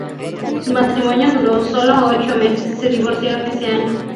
Su matrimonio duró solo ocho meses; se divorciaron ese año.